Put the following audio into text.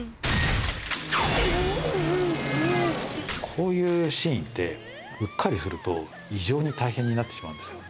こういうシーンってうっかりすると異常に大変になってしまうんですよね。